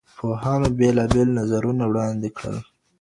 پوهانو بېلابل نظرونه وړاندي کړل.